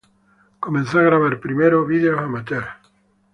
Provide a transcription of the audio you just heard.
Comenzó a grabar primero vídeos amateur.